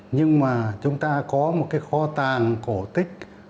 nhưng mà chúng ta có một cái kho tàng cổ tích